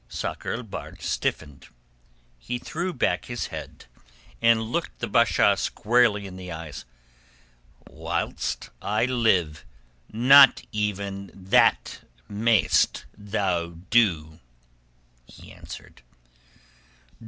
Sakr el Bahr stiffened. He threw back his head and looked the Basha squarely in the eyes. "Whilst I live, not even that mayest thou do," he answered.